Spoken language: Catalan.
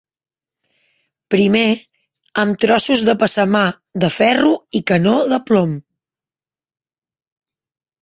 Primer, amb trossos de passamà de ferro i canó de plom